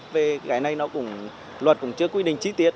về cái này nó cũng luật cũng chưa quy định chi tiết